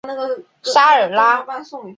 沙尔拉。